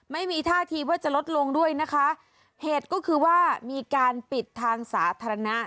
ไม่มีท่าทีว่าจะลดลงด้วยนะคะเหตุก็คือว่ามีการปิดทางสาธารณะ